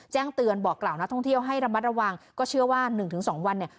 แจ้งเตือนบอกกล่าวนักท่องเที่ยวให้ระมัดระวังก็เชื่อว่าหนึ่งถึงสองวันเนี่ย